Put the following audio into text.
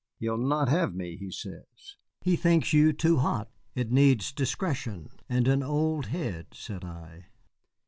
He'll not have me, he says." "He thinks you too hot. It needs discretion and an old head," said I.